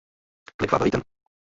Klik Favoriten.